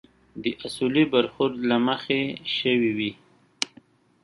د اصولي برخورد له مخې شوي وي.